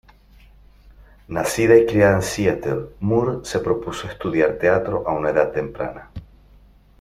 Nacida y criada en Seattle, Moore se propuso estudiar teatro a una edad temprana.